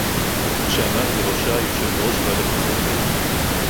שעמד בראשה יושב-ראש ועדת הכספים